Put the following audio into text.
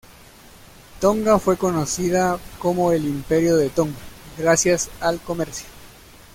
Tonga fue conocida como el Imperio de Tonga gracias al comercio.